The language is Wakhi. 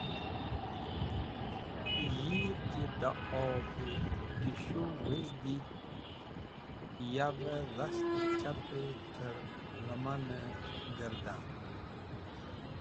Yir ki dẽ Ob-e Dishu wezdi et yav-e dhast-e chap trẽ yoman-e gardan.